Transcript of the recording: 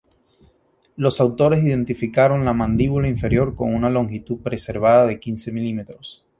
Los autores identificaron la mandíbula inferior con una longitud preservada de quince milímetros.